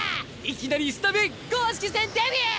いきなりスタメン公式戦デビュー！